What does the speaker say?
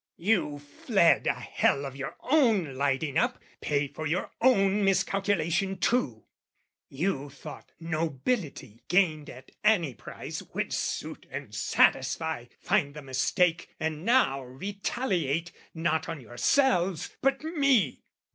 "You fled a hell of your own lighting up, "Pay for your own miscalculation too: "You thought nobility, gained at any price, "Would suit and satisfy, find the mistake, "And now retaliate, not on yourselves, but me.